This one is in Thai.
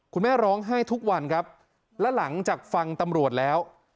คุณแม่ร้องไห้ทุกวันครับแล้วหลังจากฟังตำรวจแล้ว